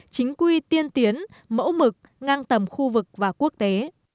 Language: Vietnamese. chính quy tiên tiến mẫu mực ngang tầm khu vực và quốc tế